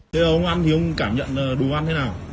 thế ông ăn thì ông cảm nhận đồ ăn thế nào